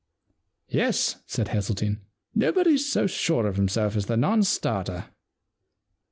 * Yes,' said Hesseltine. * Nobody's so sure of himself as the non starter.'